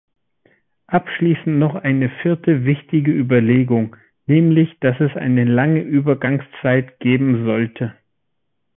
Abschließend noch eine vierte wichtige Überlegung, nämlich dass es eine lange Übergangszeit geben sollte.